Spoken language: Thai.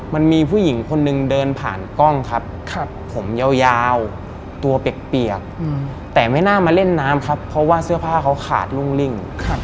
มันมีผู้หญิงคนนึงเดินผ่านกล้องครับผมยาวตัวเปียกแต่ไม่น่ามาเล่นน้ำครับเพราะว่าเสื้อผ้าเขาขาดรุ่งลิ่ง